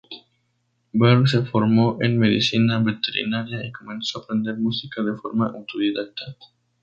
Berg se formó en medicina veterinaria y comenzó a aprender música de forma autodidacta.